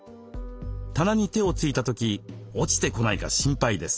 棚に手をついた時落ちてこないか心配です。